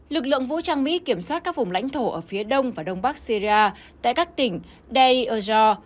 lực lượng vũ trang mỹ kiểm soát các vùng lãnh thổ ở phía đông và đông bắc syria tại các tỉnh daeur